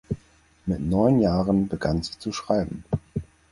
Mit neun Jahren begann sie zu schreiben.